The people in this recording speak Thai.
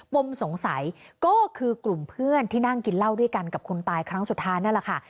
ปมสงสัยก็คือกลุ่มเพื่อนที่นั่งกินเหล้าด้วยกันกับคนตายครั้งสุดท้ายนั่นแหละค่ะ